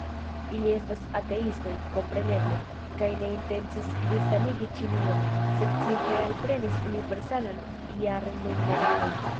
Ili estas ateistoj, kompreneble, kaj ne intencis kristanigi Ĉinion, sed simple alprenis universalan jarnumeradon.